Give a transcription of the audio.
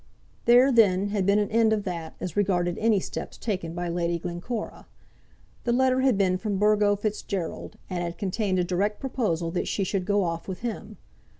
There, then, had been an end of that, as regarded any steps taken by Lady Glencora. The letter had been from Burgo Fitzgerald, and had contained a direct proposal that she should go off with him.